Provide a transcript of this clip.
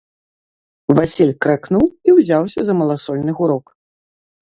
Васіль крэкнуў і ўзяўся за маласольны гурок.